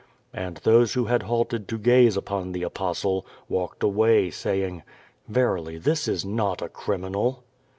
And those who had halted to gaze upon the Apostle, walked away, saying: "Verily, this is not a criminal!"